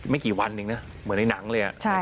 ไม่กี่วันหนึ่งนะเหมือนในหนังเลยอ่ะ